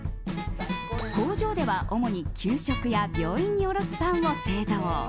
工場では主に給食や病院に卸すパンを製造。